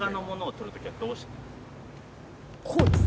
こうです。